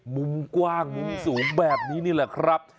มุมกว้างมุมสูงแบบนี้นี่แหละครับ